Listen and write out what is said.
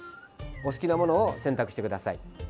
お好きなものを選択してください。